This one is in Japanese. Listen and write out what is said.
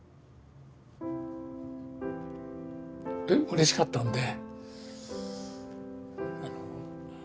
うれしかったんで。